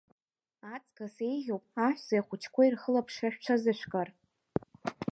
Аҵкыс еиӷьуп аҳәсеи ахәыҷқәеи рхылаԥшра шәҽазышәкыр.